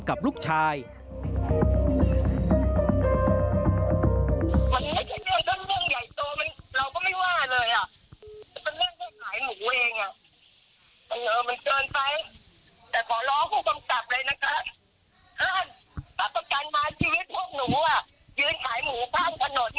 แล้วมันจะระวังได้ไหม